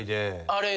あれ？